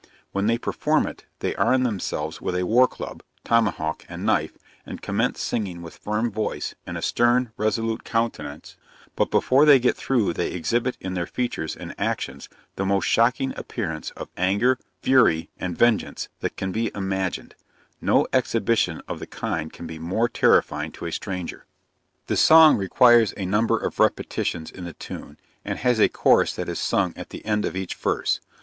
When they perform it, they arm themselves with a war club, tomahawk and knife, and commence singing with firm voice, and a stern, resolute countenance: but before they get through they exhibit in their features and actions the most shocking appearance of anger, fury and vengeance, that can be imagined: No exhibition of the kind can be more terrifying to a stranger. The song requires a number of repetitions in the tune, and has a chorus that is sung at the end of each verse.